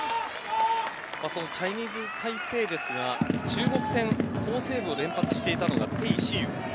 そのチャイニーズタイペイですが中国戦、好セーブを連発していたのがテイ・シユ。